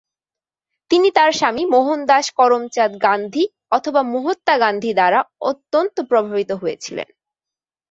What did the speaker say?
তিনি তার স্বামী মোহনদাস করমচাঁদ গান্ধী অথবা মহাত্মা গান্ধী দ্বারা অত্যন্ত প্রভাবিত হয়েছিলেন।